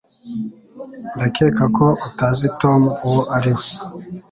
Ndakeka ko utazi Tom uwo ari we